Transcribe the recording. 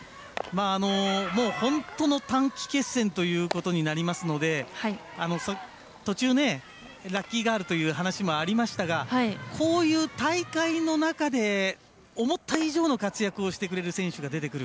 もう本当の短期決戦ということになりますので途中、ラッキーガールという話もありましたがこういう大会の中で思った以上の活躍をしてくれる選手が出てくる。